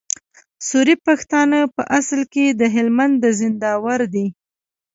سوري پښتانه په اصل کي د هلمند د زينداور دي